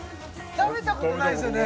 食べたことないですよね